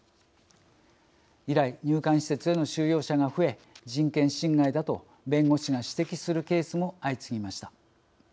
以来入管施設への収容者が増え人権侵害だと弁護士が指摘するケースも相次ぎました。